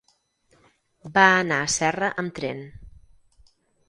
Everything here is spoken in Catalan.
Va anar a Serra amb tren.